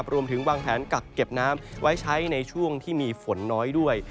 รวมถึงวางแผนกักเก็บน้ำไว้ใช้ในช่วงที่มีฝนน้อยด้วย